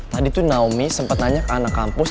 tadi tuh naomi sempat nanya ke anak kampus